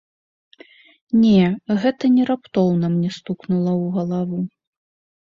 Не, гэта не раптоўна мне стукнула ў галаву.